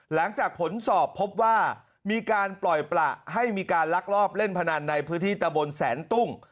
หลังจากผลสอบพบว่ามีการปล่อยประให้มีการลักลอบเล่นพนันในพื้นที่ตะบนแสนตุ้ง